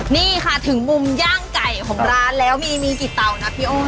นี่ค่ะถึงมุมย่างไก่ของร้านแล้วมีกี่เตานะพี่โอ